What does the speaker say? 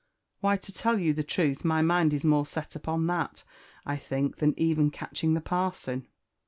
" Why, to tell you the truth, my mind is more' set upon Chat, I think, than even catching the parson."